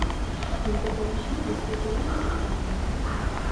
Tímto končí vysvětlení hlasování.